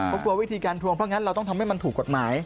เขากลัววิธีการทวงเพราะงั้นเราต้องทำให้มันถูกกฎหมาย